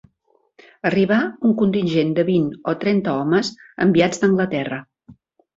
Arribà un contingent de vint o trenta homes enviats d'Anglaterra